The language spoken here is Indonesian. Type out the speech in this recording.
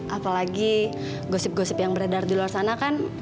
apalagi gosip gosip yang beredar di luar sana kan